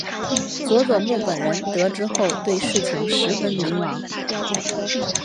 佐佐木本人得知后对事情十分迷惘。